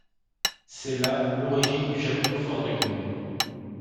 C'est là l'origine du château fort de Guînes.